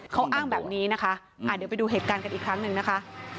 เขาอ้างแบบนี้นะคะเดี๋ยวไปดูเหตุการณ์กันอีกครั้งหนึ่งนะคะ